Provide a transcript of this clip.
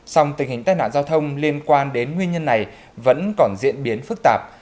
song tình hình tai nạn giao thông liên quan đến nguyên nhân này vẫn còn diễn biến phức tạp